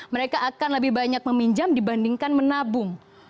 mereka akan lebih banyak meminjam dibandingkan menabung